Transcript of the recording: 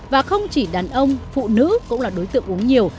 và không chỉ đàn ông phụ nữ cũng là đối tượng uống nhiều